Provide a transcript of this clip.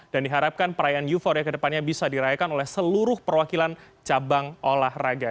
dan diharapkan perayaan euforia kedepannya bisa dirayakan oleh seluruh perwakilan cabang olahraga